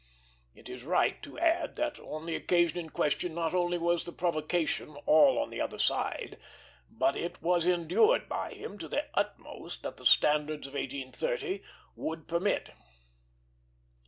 It is right to add that on the occasion in question not only was the provocation all on the other side, but it was endured by him to the utmost that the standards of 1830 would permit.